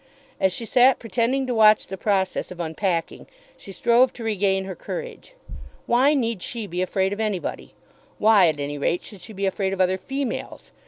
As she sat pretending to watch the process of unpacking, she strove to regain her courage. Why need she be afraid of anybody? Why, at any rate, should she be afraid of other females?